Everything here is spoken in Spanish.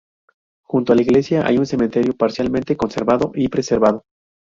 Junto a la iglesia hay un cementerio parcialmente conservado y preservado.